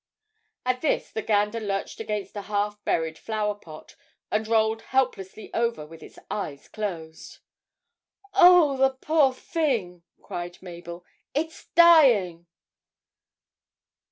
At this the gander lurched against a half buried flower pot, and rolled helplessly over with its eyes closed. 'Oh, the poor thing,' cried Mabel, 'it's dying!'